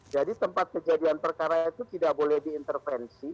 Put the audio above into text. jadi tempat kejadian perkara itu tidak boleh diintervensi